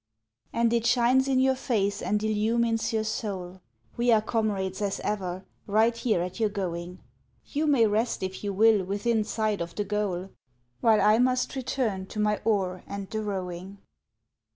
And it shines in your face and illumines your soul; We are comrades as ever, right here at your going; You may rest if you will within sight of the goal, While I must return to my oar and the rowing.